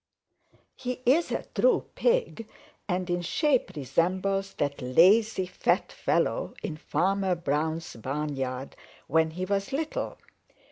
"He is a true Pig and in shape resembles that lazy, fat fellow in Farmer Brown's barnyard when he was little.